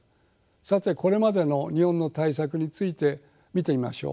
さてこれまでの日本の対策について見てみましょう。